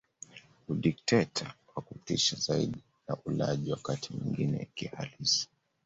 Udikteta wa kutisha zaidi na ulaji wakati mwingine kihalisi